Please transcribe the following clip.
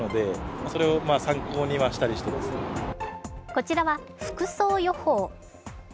こちらは服装予報。